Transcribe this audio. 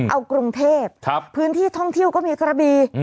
เอากรุงเทพพื้นที่ท่องเที่ยวก็มีกระบี